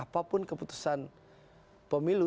apapun keputusan pemilu